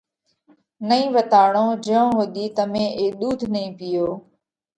نئين وتاڙو جئيون ۿُوڌِي تمي اي ۮُوڌ نئين پِيئو۔